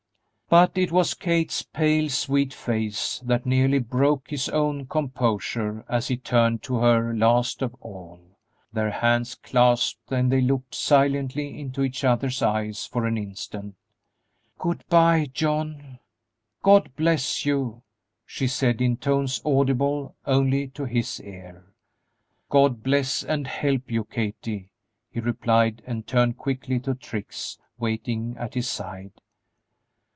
But it was Kate's pale, sweet face that nearly broke his own composure as he turned to her, last of all. Their hands clasped and they looked silently into each other's eyes for an instant. "Good by, John; God bless you!" she said, in tones audible only to his ear. "God bless and help you, Kathie!" he replied, and turned quickly to Trix waiting at his side.